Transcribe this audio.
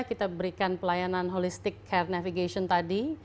kita berikan pelayanan holistic care navigation tadi